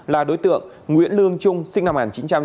là đối tượng nguyễn lương trung sinh năm một nghìn chín trăm bảy mươi một